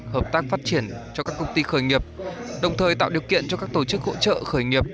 hợp tác phát triển cho các công ty khởi nghiệp đồng thời tạo điều kiện cho các tổ chức hỗ trợ khởi nghiệp